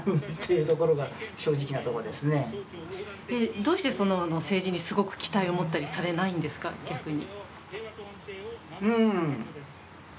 どうして政治にすごく期待を持ったりされないんですか、逆に。